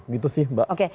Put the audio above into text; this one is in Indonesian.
gitu sih mbak